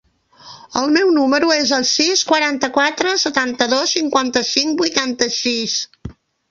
El meu número es el sis, quaranta-quatre, setanta-dos, cinquanta-cinc, vuitanta-sis.